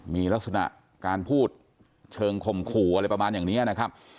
มีลักษณะการพูดเชิงข่มขู่อะไรประมาณอย่างนี้นะครับ